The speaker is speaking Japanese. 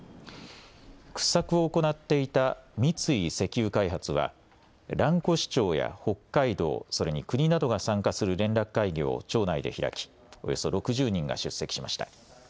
掘削を行っていた三井石油開発は蘭越町や北海道、それに国などが参加する連絡会議を町内で開きおよそ６０人が出席しました。